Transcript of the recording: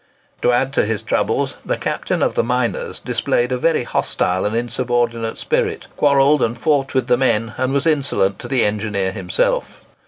To add to his troubles, the captain of the miners displayed a very hostile and insubordinate spirit, quarrelled and fought with the men, and was insolent to the engineer himself.